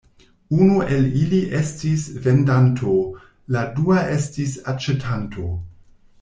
Unu el ili estis vendanto, la dua estis aĉetanto.